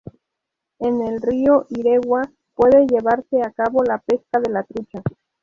En el río Iregua puede llevarse a cabo la pesca de la trucha.